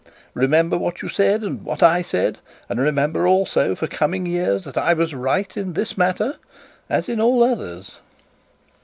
Remember what you said and what I said; and remember also for coming years, that I was right in this matter as in all others.'